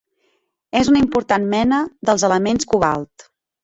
És una important mena dels elements cobalt.